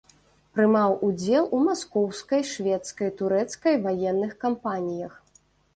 Прымаў удзел у маскоўскай, шведскай, турэцкай ваенных кампаніях.